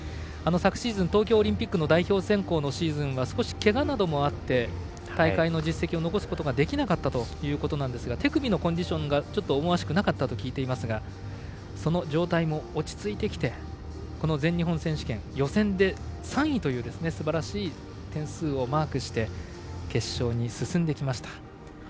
昨シーズン、東京オリンピックの代表選考のシーズンは少しけがなどもあって大会の実績を残すことができなかったということですが手首のコンディションが思わしくなかったと聞いてますがその状態も落ち着いてきてこの全日本選手権予選で３位というすばらしい点数をマークして決勝に進んできました。